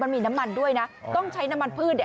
มันมีน้ำมันด้วยนะต้องใช้น้ำมันพืชเนี่ย